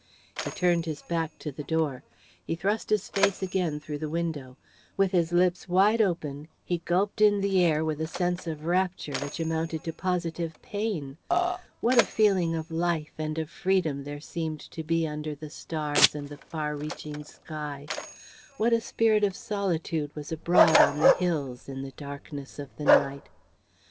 He turned his back to the door. He thrust his face again through the window. With his lips wide open he gulped in the air with a sense of rapture which amounted to positive pain. What a feeling of life and of freedom there seemed to be under the stars and the far reaching sky! What a spirit of solitude was abroad on the hills, in the darkness of the night!